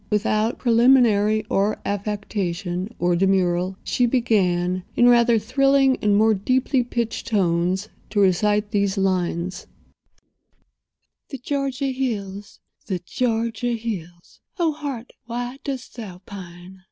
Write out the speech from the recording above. Without preliminary or affectation or demurral she began, in rather thrilling and more deeply pitched tones to recite these lines: "The Georgia hills, the Georgia hills!— Oh, heart, why dost thou pine?